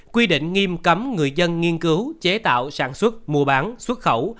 quy định nghiêm cấm người dân nghiên cứu chế tạo sản xuất mua bán xuất khẩu